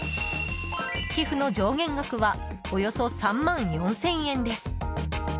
寄付の上限額はおよそ３万４０００円です。